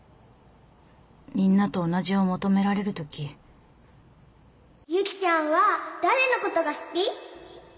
みんなと同じを求められる時ユキちゃんは誰のことが好き？